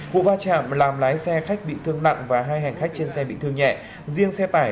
vụ va chạm làm lái xe khách bị thương nặng và hai hành khách trên xe bị thương nhẹ riêng xe tải